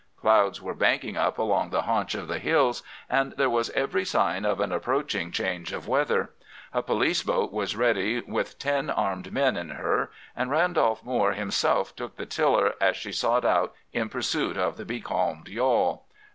Clouds were banking up along the haunch of the hills, and there was every sign of an approaching change of weather. A police boat was ready with ten armed men in her, and Randolph Moore himself took the tiller as she shot out in pursuit of the becalmed yawl.